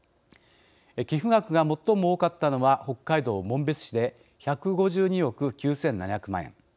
寄付額が最も多かったのは北海道紋別市で１５２億９７００万円。